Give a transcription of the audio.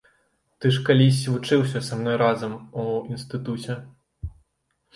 Ты ж калісь вучыўся са мной разам у інстытуце.